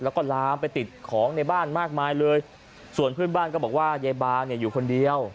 แล้วก็ลามไปติดของในบ้านมากมายเลยส่วนเพื่อนบ้านก็บอกว่ายายบาเนี่ยอยู่คนเดียว